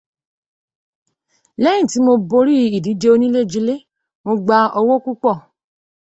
Lẹ́yìn tí mo borí ìdíje oníléjilé yìí, mo gba owó púpọ̀